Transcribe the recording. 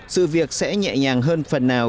sự việc sẽ nhẹ nhàng hơn phần nào